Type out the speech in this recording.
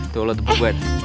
tuh lo tepuk gue